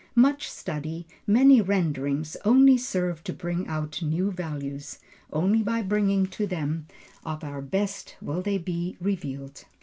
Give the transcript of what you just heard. Much study, many renderings only serve to bring out new values. Only by bringing to them of our best will they be revealed.